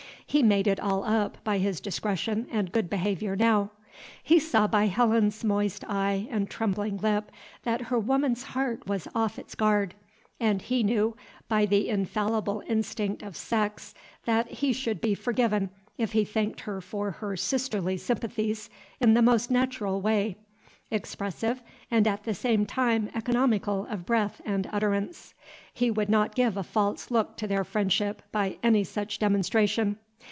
He made it all up by his discretion and good behavior now. He saw by Helen's moist eye and trembling lip that her woman's heart was off its guard, and he knew, by the infallible instinct of sex, that he should be forgiven, if he thanked her for her sisterly sympathies in the most natural way, expressive, and at the same time economical of breath and utterance. He would not give a false look to their friendship by any such demonstration.